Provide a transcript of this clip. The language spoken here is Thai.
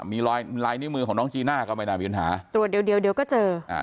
มีรอยลายนิ้วมือของน้องจีน่าก็ไม่น่ามีปัญหาตรวจเดี๋ยวเดี๋ยวก็เจออ่า